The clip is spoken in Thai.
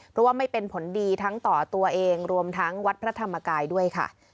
เพราะว่าไม่เป็นผลดีทั้งต่อตัวเองรวมทั้งวัดพระธรรมกายด้วยค่ะ